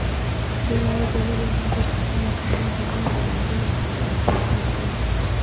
另外一些路边摊所产生的环境脏乱也令为之叹息。